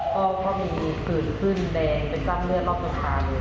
พี่มีรอยที่ทิ้งหน้าดีแต่ลูกเราเห็นเขารอบตรงตา